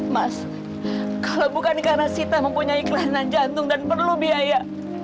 mas kalau bukan karena sita mempunyai kelainan jantung dan perlu biaya